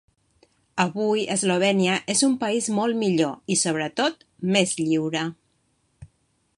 Avui Eslovènia és un país molt millor i, sobretot, més lliure.